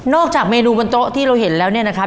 จากเมนูบนโต๊ะที่เราเห็นแล้วเนี่ยนะครับ